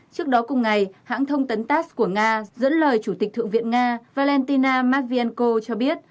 trước đó cùng ngày hãng thông tấn tass của nga dẫn lời chủ tịch thượng viện nga valentina matvienko cho biết